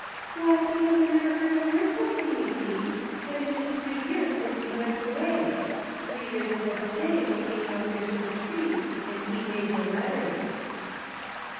" Why, because I never heard a word from him, you see, and it is three years since he went away. Three years ago to day we came out here to the tree and he made the letters."